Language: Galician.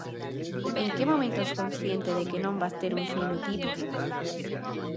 En que momento es consciente de que non vas ter un filme típico?